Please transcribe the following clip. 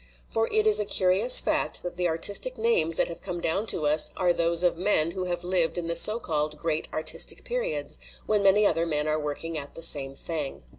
For it is a curious fact that the artistic names that have come down to us are those of men who have lived in the so called great artistic periods, when many other men were working at the same thing."